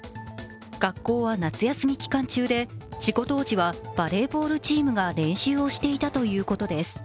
学校は夏休み期間間で事故当時はバレーボールチームが練習をしていたということです。